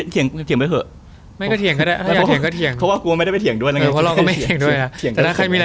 เที่ยงไปเหอะจริงไม่ก็เที่ยงได้